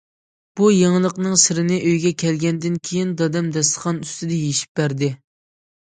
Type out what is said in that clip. بۇ يېڭىلىقنىڭ سىرىنى ئۆيگە كەلگەندىن كېيىن دادام داستىخان ئۈستىدە يېشىپ بەردى.